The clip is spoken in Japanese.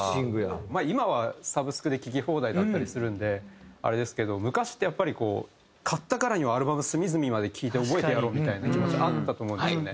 まあ今はサブスクで聴き放題だったりするのであれですけど昔ってやっぱりこう買ったからにはアルバム隅々まで聴いて覚えてやろうみたいな気持ちあったと思うんですよね。